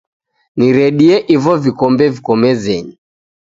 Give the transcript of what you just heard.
Niredie ivo vikombe viko mezenyi.